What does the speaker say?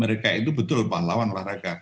mereka itu betul pahlawan olahraga